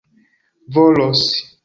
volos